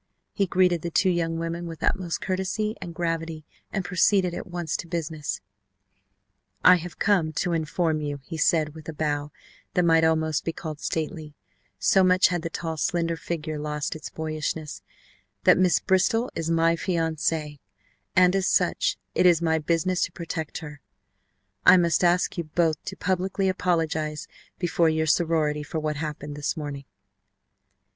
He greeted the two young women with utmost courtesy and gravity and proceeded at once to business: "I have come to inform you," he said with a bow that might almost be called stately, so much had the tall, slender figure lost its boyishness, "that Miss Bristol is my fiancée, and as such it is my business to protect her. I must ask you both to publicly apologize before your sorority for what happened this morning."